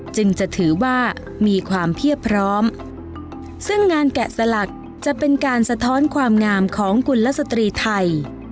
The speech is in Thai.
จึงจะถือว่ามีความเพียบพร้อมซึ่งงานแกะสลักจะเป็นการสะท้อนความงามของกุลสตรีไทย